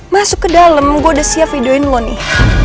masuk ke dalam gue udah siap videoin lo nih